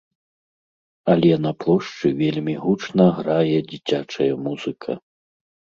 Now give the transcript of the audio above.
Але на плошчы вельмі гучна грае дзіцячая музыка.